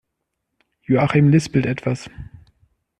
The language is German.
Joachim lispelt etwas.